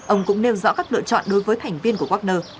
ông cũng nêu rõ các lựa chọn đối với thành viên của wagner